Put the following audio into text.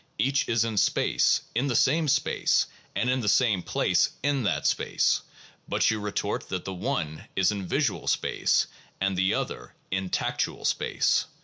Each is in space, in the same space, and in the same place in that space. But you retort that the one is in visual space and the other in tactual space.